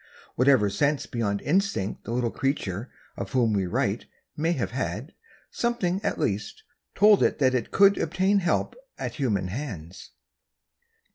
Whatever sense beyond instinct the little creature of whom we write may have had, something, at least, told it that it could obtain help at human hands.